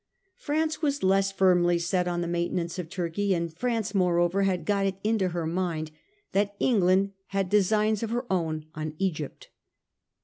France was less firmly set on the maintenance of Turkey ; and France, moreover, had got it into her mind that England had designs of her own on Egypt.